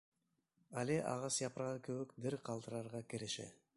Али ағас япрағы кеүек дер ҡалтырарға керешә.